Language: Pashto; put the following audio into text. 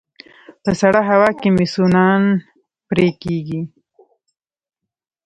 په سړه هوا کې مې سوڼان پرې کيږي